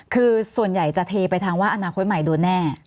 คือส่วนใหญ่จะเทไปทางว่าอนาคตใหม่โดนแน่